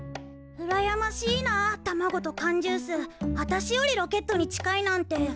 うらやましいなたまごとかんジュースあたしよりロケットに近いなんて。